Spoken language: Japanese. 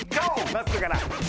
まっすーから。